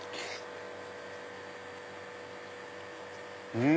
うん！